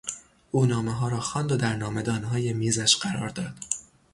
او نامهها را خواند و در نامهدانهای میزش قرار داد.